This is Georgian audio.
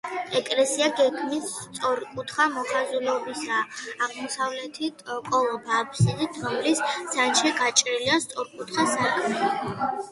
ეკლესია გეგმით სწორკუთხა მოხაზულობისაა, აღმოსავლეთით კოლოფა აბსიდით, რომლის ცენტრში გაჭრილია სწორკუთხა სარკმელი.